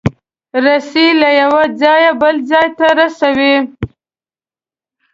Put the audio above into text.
رسۍ له یو ځایه بل ځای ته رسوي.